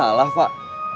loh gak salah pak